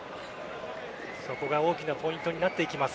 そこが大きなポイントになっていきます